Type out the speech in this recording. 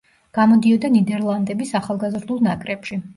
გამოდიოდა ნიდერლანდების ახალგაზრდულ ნაკრებში.